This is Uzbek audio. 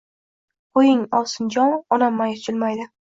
Qo‘ying, ovsinjon, – onam ma’yus jilmaydi.